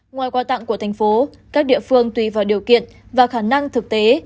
ngoài quà tặng của thành phố các địa phương tùy vào điều kiện và khả năng thực tế